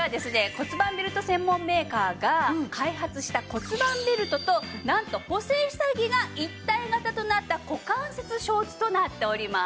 骨盤ベルト専門メーカーが開発した骨盤ベルトとなんと補整下着が一体型となった股関節ショーツとなっております。